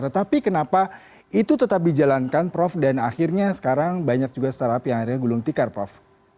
tetapi kenapa itu tetap dijalankan prof dan akhirnya sekarang banyak juga startup yang akhirnya gulung tikar prof